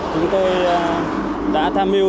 chúng tôi đã tham mưu